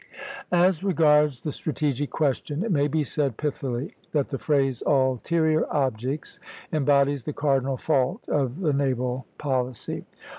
As regards the strategic question, it may be said pithily that the phrase "ulterior objects" embodies the cardinal fault of the naval policy.